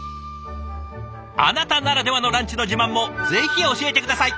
あなたならではのランチの自慢もぜひ教えて下さい！